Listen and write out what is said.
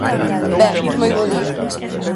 Ben, pois moi bo día.